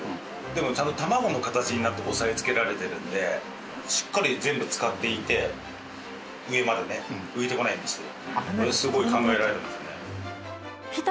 でもちゃんとたまごの形になって押さえつけられてるんでしっかり全部漬かっていて上までね浮いてこないんですよ。